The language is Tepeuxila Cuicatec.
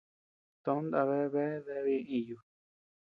To nda bea deabea ñeʼe iyu.